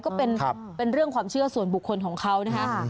ก็เป็นเรื่องความเชื่อส่วนบุคคลของเขานะคะ